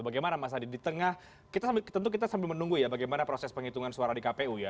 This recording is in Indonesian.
bagaimana mas adi di tengah tentu kita sambil menunggu ya bagaimana proses penghitungan suara di kpu ya